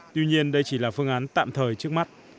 tuy nhiên đây chỉ là phương án tạm thời trước mắt